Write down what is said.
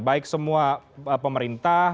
baik semua pemerintah